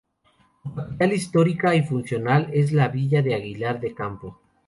Su capital histórica y funcional es la villa de Aguilar de Campoo.